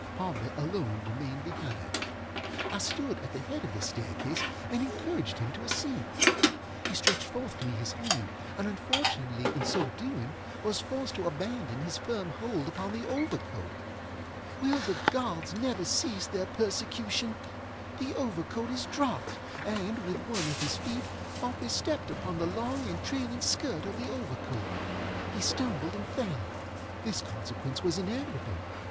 Pompey alone remained behind. I stood at the head of the staircase, and encouraged him to ascend. He stretched forth to me his hand, and unfortunately in so doing was forced to abandon his firm hold upon the overcoat. Will the gods never cease their persecution? The overcoat is dropped, and, with one of his feet, Pompey stepped upon the long and trailing skirt of the overcoat. He stumbled and fellŌĆöthis consequence was inevitable.